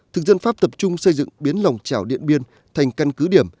thực dân pháp tập trung xây dựng biến lòng chảo điện biên thành căn cứ điểm